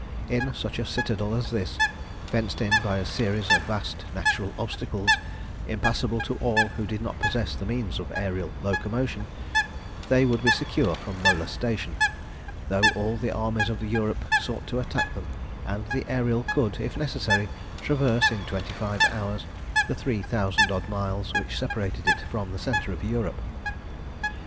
In such a citadel as this, fenced in by a series of vast natural obstacles, impassable to all who did not possess the means of aërial locomotion, they would be secure from molestation, though all the armies of Europe sought to attack them; and the Ariel could, if necessary, traverse in twenty five hours the three thousand odd miles which separated it from the centre of Europe.